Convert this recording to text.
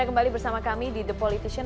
kembali bersama kami di the politician